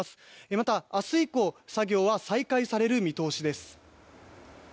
また明日以降作業は再開される見込みです。